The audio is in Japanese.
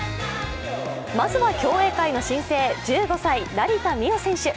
まずは競泳界の新星・１５歳、成田実生選手。